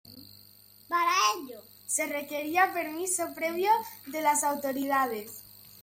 Para ello se requería permiso previo de las autoridades.